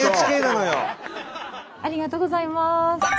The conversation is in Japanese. ありがとうございます。